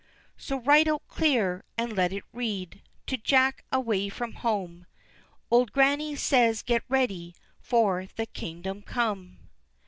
So write out clear, and let it read, _To Jack, away from home, Old Grannie says, get ready For the Kingdom come.